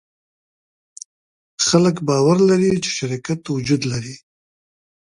خلک باور لري، چې شرکت وجود لري.